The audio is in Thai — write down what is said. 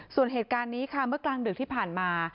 ส่วนเหตุการณ์นี้ค่ะเมื่อกลางดึกที่ผ่านมา